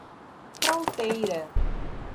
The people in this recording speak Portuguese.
Fronteira